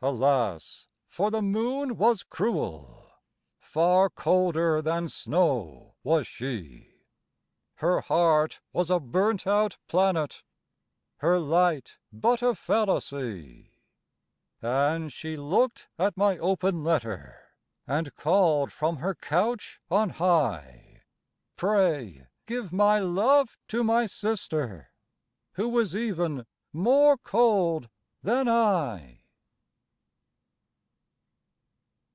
Alas! for the moon was cruel, Far colder than snow was she, Her heart was a burnt out Planet, Her light but a fallacy: And she looked at my open letter, And called from her couch on high, "Pray give my love to my Sister Who is even more cold than I."